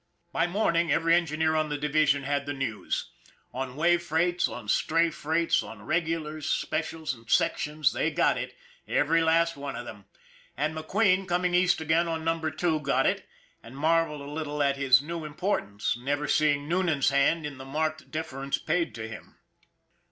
By morning, every engineer on the division had the news. On way freights, on stray freights, on regu lars, specials, and sections, they got it every last one of them. And McQueen coming east again on Num ber Two got it, and marvelled a little at his new im portance, never seeing Noonan's hand in the marked deference paid to him.